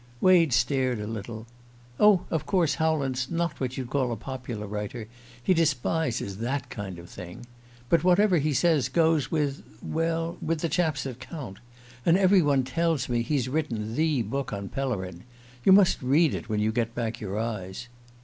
Wade stared a little. "Oh, of course Howland's not what you'd call a popular writer; he despises that kind of thing. But whatever he says goes with well, with the chaps that count; and every one tells me he's written the book on Pellerin. You must read it when you get back your eyes."